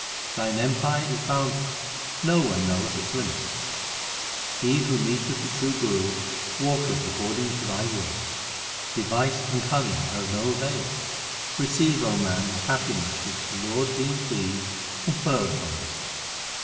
Thine empire is boundless ; no one knoweth its limit. He who meeteth the true Guru, walketh according to Thy will. Device and cunning are of no avail. Receive, O man, the happiness which the Lord being pleased conferreth on thee.